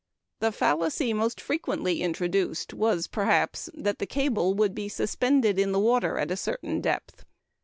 The fallacy most frequently introduced was, perhaps, that the cable would be suspended in the water at a certain depth.